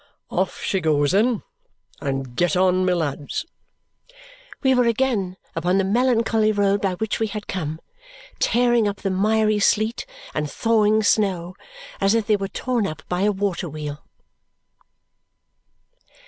"Off she goes, then. And get on, my lads!" We were again upon the melancholy road by which we had come, tearing up the miry sleet and thawing snow as if they were torn up by a waterwheel.